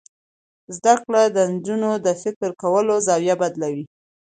زده کړه د نجونو د فکر کولو زاویه بدلوي.